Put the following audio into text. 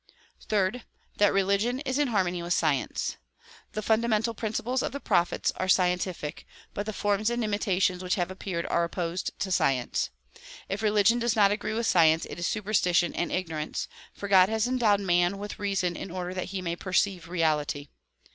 Third; that religion is in harmony with science. The funda mental principles of the prophets are scientific but the forms and imitations which have appeared are opposed to science. If religion does not agree with science it is superstition and ignorance; for God has endowed man with reason in order that he may perceive reality.